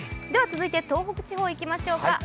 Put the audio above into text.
続いて東北地方にいきましょうか。